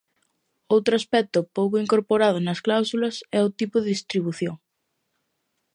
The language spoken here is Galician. Outro aspecto pouco incorporado nas cláusulas é o tipo de distribución.